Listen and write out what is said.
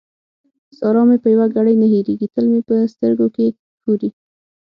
سارا مې په يوه ګړۍ نه هېرېږي؛ تل مې په سترګو کې ښوري.